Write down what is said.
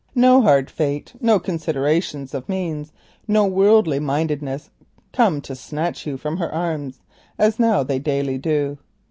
No hard fate, no considerations of means, no worldly mindedness, come to snatch you from her arms as now they daily do.